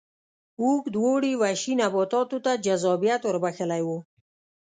اوږد اوړي وحشي نباتاتو ته جذابیت ور بخښلی و.